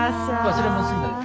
忘れ物すんなよ。